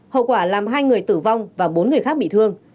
hậu quả làm hai người tử vong và bốn người khác bị thương